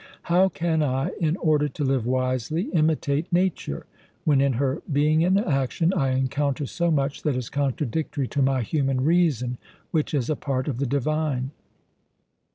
How can I, in order to live wisely, imitate Nature, when in her being and action I encounter so much that is contradictory to my human reason, which is a part of the divine?"